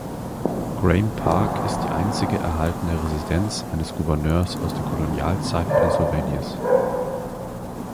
Graeme Park ist die einzige erhaltene Residenz eines Gouverneurs aus der Kolonialzeit Pennsylvanias.